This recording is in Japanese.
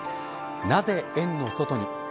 なぜ園の外に。